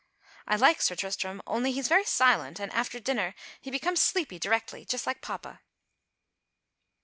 I like Sir Tristram, only he's very silent, and after dinner he becomes sleepy directly, just like papa.